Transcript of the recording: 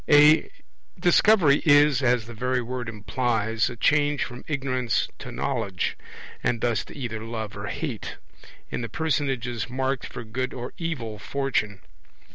A Discovery is, as the very word implies, a change from ignorance to knowledge, and thus to either love or hate, in the personages marked for good or evil fortune.